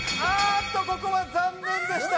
ここは残念でした。